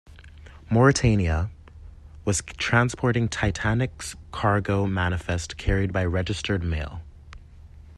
"Mauretania" was transporting "Titanic"s cargo manifest carried by registered mail.